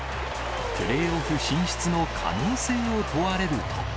プレーオフ進出の可能性を問われると。